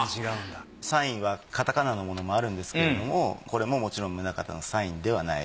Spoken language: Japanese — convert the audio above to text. サインはカタカナのものもあるんですけれどもこれももちろん棟方のサインではない。